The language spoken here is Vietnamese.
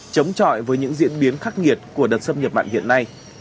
chống chọi với những diễn biến khắc nghiệt của đợt xâm nhập mặn hiện nay